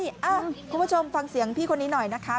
คุณผู้ชมฟังเสียงพี่คนนี้หน่อยนะคะ